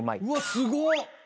すごっ！